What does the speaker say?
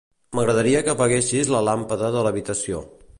M'agradaria que apaguessis la làmpada de l'habitació.